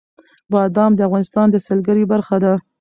بادام د افغانستان د سیلګرۍ برخه ده.